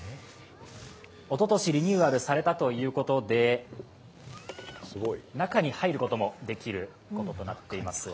おととしリニューアルされたということで、中に入ることもできるものとなっています。